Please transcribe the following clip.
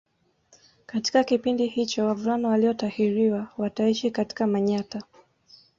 Katika kipindi hicho wavulana waliotahiriwa wataishi katika Manyatta